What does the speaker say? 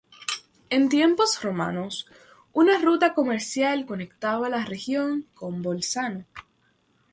En tiempos romanos una ruta comercial conectaba la región con Bolzano.